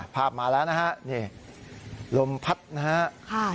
พาพมาแล้วนะฮะลมพัดนะฮะ